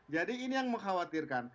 jadi ini yang mengkhawatirkan